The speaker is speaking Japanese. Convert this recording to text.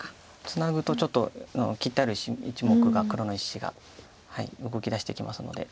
ツナぐとちょっと切ってある１目が黒の１子が動きだしてきますので。